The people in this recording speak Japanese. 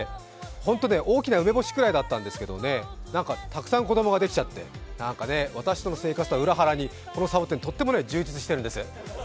本当ね、大きな梅干しぐらいだったんですけどねたくさん子供ができちゃって、私との生活とは裏腹に、このサボテン、とっても充実しているんです。